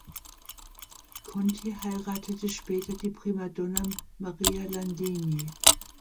Conti heiratete später die Primadonna Maria Landini.